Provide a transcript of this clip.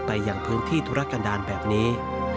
อย่างพื้นที่ธุรกันดาลแบบนี้